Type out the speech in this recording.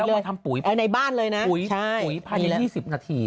เอามาทำปุ๋ยปุ๋ยพันธุ์๒๐นาที